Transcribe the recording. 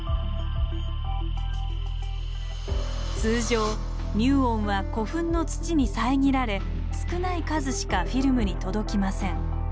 通常ミューオンは古墳の土に遮られ少ない数しかフィルムに届きません。